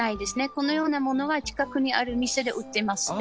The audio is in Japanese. このようなものは近くにある店で売ってますね。